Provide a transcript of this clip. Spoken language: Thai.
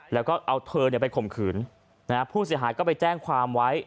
แล้วก็เอาเธอไปข่มขืนนะฮะผู้เสียหายก็ไปแจ้งความไว้